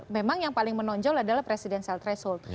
memang yang paling menonjol adalah presidensial threshold